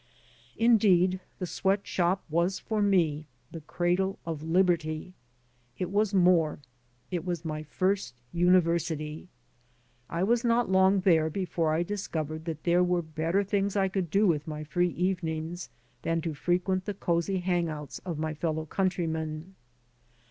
Indeed, the sweat shop was for me the cradle of liberty. It was more — ^it was my first university. I was not long there before I discovered that there were better things I could do with my free evenings than to frequent the cozy hang outs of my fellow countrymen.